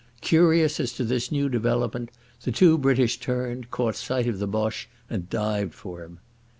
Curious as to this new development, the two British turned, caught sight of the Boche, and dived for him.